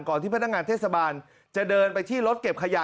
ที่พนักงานเทศบาลจะเดินไปที่รถเก็บขยะ